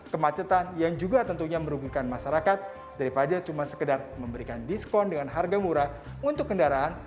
kemacetan yang juga tentunya merugikan masyarakat daripada cuma sekedar memberikan diskon dengan harga murah untuk kendaraan